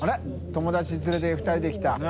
友達連れて２人で来た。